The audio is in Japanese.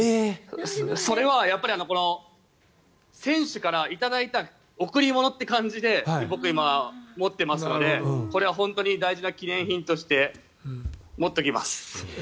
それは選手から頂いた贈り物って感じで僕、今、持ってますのでこれは本当に大事な記念品として持っておきます。